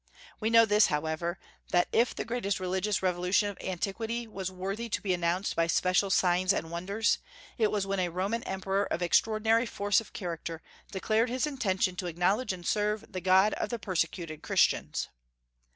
We know this, however, that if the greatest religious revolution of antiquity was worthy to be announced by special signs and wonders, it was when a Roman emperor of extraordinary force of character declared his intention to acknowledge and serve the God of the persecuted Christians.